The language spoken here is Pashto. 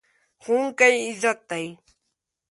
ښوونکی عزت دی.